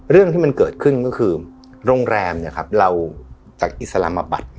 เรื่องที่มันเกิดขึ้นก็คือโรงแรมเราจากอิสลามบัตร